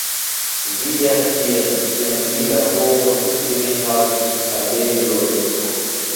Vi ja scias, sen li la homo tute ne havus abelojn.